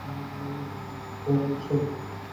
ভাগ, শালা।